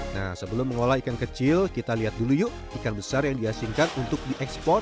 nah sebelum mengolah ikan kecil kita lihat dulu yuk ikan besar yang dihasilkan untuk diekspor